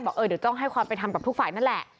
เดี๋ยวแต้าต้องให้ความเป็นทำตามทุกฝ่ายนั่นแหละ